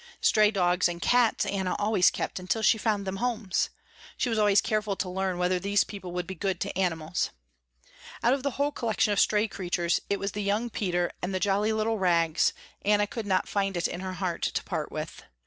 Stray dogs and cats Anna always kept until she found them homes. She was always careful to learn whether these people would be good to animals. Out of the whole collection of stray creatures, it was the young Peter and the jolly little Rags, Anna could not find it in her heart to part with.